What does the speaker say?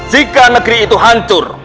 jika negeri itu hancur